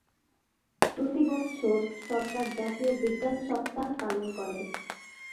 প্রতি বৎসর সরকার জাতীয় বিজ্ঞান সপ্তাহ পালন করে।